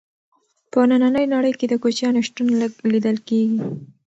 په ننۍ نړۍ کې د کوچیانو شتون لږ لیدل کیږي.